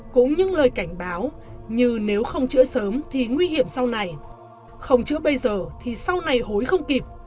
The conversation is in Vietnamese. cũng những lời cảnh báo như nếu không chữa sớm thì nguy hiểm sau này không chữa bây giờ thì sau này hối không kịp